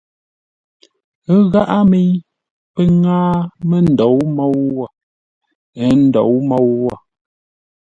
Ə́ gháʼá mə́i pə́ ŋáa mə́ ndǒu môu wə̂, ə́ ndǒu môu wə̂.